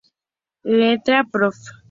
Letra: Prof.